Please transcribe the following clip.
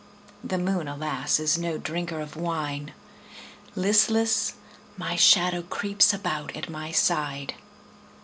The moon, alas, is no drinker of wine; Listless, my shadow creeps about at my side.